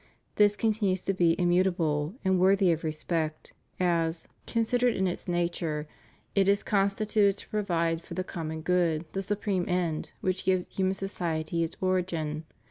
This continues to be immutable and worthy of respect, as, considered in it» 258 ALLEGIANCE TO THE REPUBLIC. nature, it is constituted to provide for the common good,, the supreme end which gives human society its origin^.